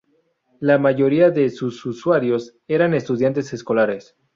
La mayoría de sus usuarios eran estudiantes escolares.